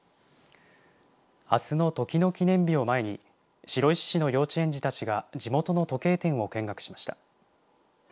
あすの、時の記念日を前に白石市の幼稚園児たちが地元の時計店を見学しました。